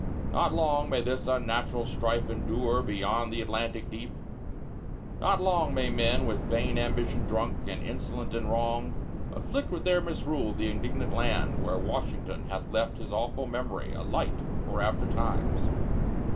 Not long may this unnatural strife endure Beyond the Atlantic deep; Not long may men, with vain ambition drunk, And insolent in wrong, Afflict with their misrule the indignant land Where Washington hath left His awful memory A light for after times!